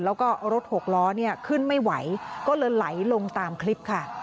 แล้วก็รถหกล้อเนี่ยขึ้นไม่ไหวก็เลยไหลลงตามคลิปค่ะ